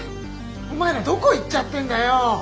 お前らどこ行っちゃってんだよ！